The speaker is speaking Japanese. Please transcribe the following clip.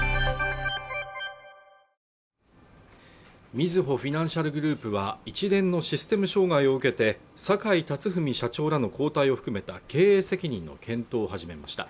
みずほフィナンシャルグループは一連のシステム障害を受けて坂井辰史社長らの交代を含めた経営責任の検討を始めました